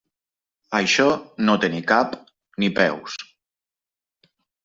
Això no té ni cap ni peus.